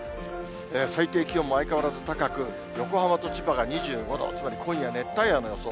最低気温も相変わらず高く、横浜と千葉が２５度、つまり、今夜、熱帯夜の予想。